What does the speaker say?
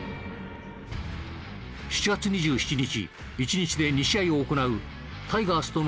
７月２７日一日で２試合を行うタイガースとのダブルヘッダー。